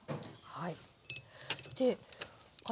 はい。